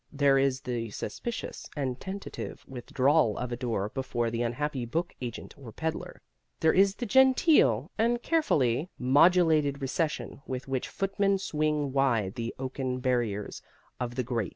There is the suspicious and tentative withdrawal of a door before the unhappy book agent or peddler. There is the genteel and carefully modulated recession with which footmen swing wide the oaken barriers of the great.